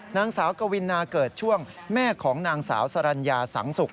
นางสาวกวินาเกิดช่วงแม่ของนางสาวสรรญาสังสุข